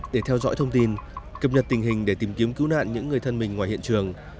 để theo dõi thông tin cập nhật tình hình để tìm kiếm cứu nạn những người thân mình ngoài hiện trường